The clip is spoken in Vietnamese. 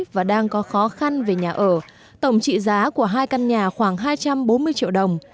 và đang có khó khăn về nhà ở tổng trị giá của hai căn nhà khoảng hai trăm bốn mươi triệu đồng